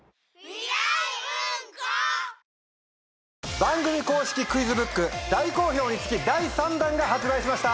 番組公式クイズブック大好評につき第３弾が発売しました。